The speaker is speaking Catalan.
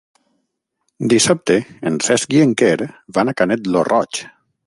Dissabte en Cesc i en Quer van a Canet lo Roig.